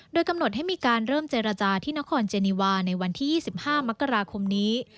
โดยกำหนดให้มีการเริ่มเจรจาที่นครเจนีวาในวันที่๒๕มกราคมนี้